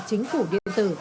chính phủ điện tử